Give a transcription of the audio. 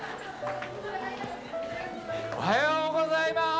おはようございます！